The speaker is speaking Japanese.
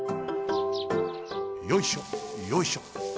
よいしょよいしょ。